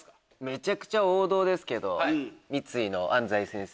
めちゃくちゃ王道ですけど三井の「安西先生